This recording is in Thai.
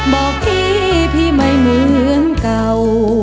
บอกพี่พี่ไม่เหมือนเก่า